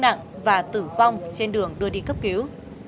nặng và tử vong trên đường đưa đi cấp cứu